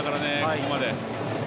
ここまで。